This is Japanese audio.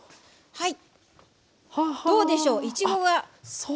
はい。